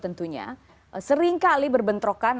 tentunya seringkali berbentrokan